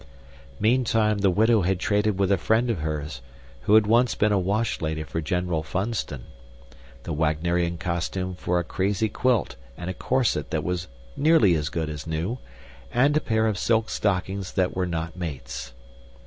Meantime the widow had traded with a friend of hers (who had once been a wash lady for General Funston) the Wagnerian costume for a crazy quilt and a corset that was nearly as good as new and a pair of silk stockings that were not mates.